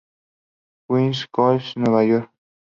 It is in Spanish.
Queens College, Nueva York.